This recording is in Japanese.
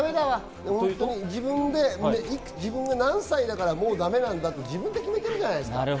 自分が何歳だからもうだめなんだって自分で決めたらだめだわ。